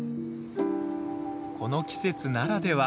この季節ならでは。